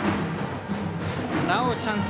なおチャンス。